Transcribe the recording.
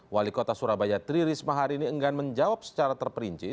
wali kota surabaya tri risma hari ini enggan menjawab secara terperinci